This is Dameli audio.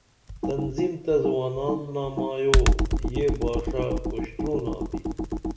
تنظیم تہ زوانان نامایو یہ باݜہ اُشترونا بی